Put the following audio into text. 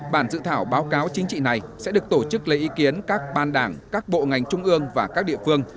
bản dự thảo báo cáo chính trị này sẽ được tổ chức lấy ý kiến các ban đảng các bộ ngành trung ương và các địa phương